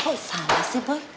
kok salah sih boy